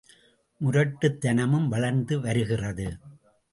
முரட்டுதனமும் வளர்ந்து வருகிறது.